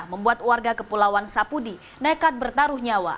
membuat warga kepulauan sapudi nekat bertaruh nyawa